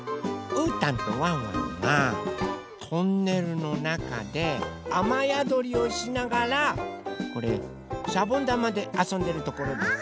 うーたんとワンワンがトンネルのなかであまやどりをしながらこれしゃぼんだまであそんでるところです。